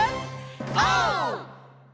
オー！